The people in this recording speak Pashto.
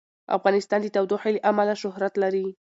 افغانستان د تودوخه له امله شهرت لري.